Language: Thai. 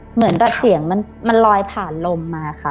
เหมือนแบบเสียงมันลอยผ่านลมมาค่ะ